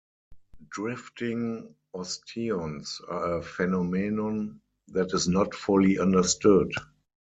Drifting osteons are a phenomenon that is not fully understood.